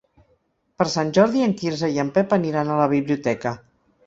Per Sant Jordi en Quirze i en Pep aniran a la biblioteca.